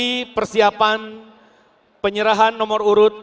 ini persiapan penyerahan nomor urut